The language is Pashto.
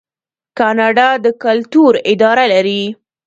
کاناډا د کلتور اداره لري.